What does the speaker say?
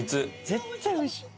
絶対おいしい！